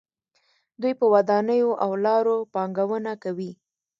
دوی په ودانیو او لارو پانګونه کوي.